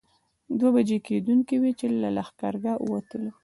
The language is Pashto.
دوه بجې کېدونکې وې چې له لښکرګاه ووتلو.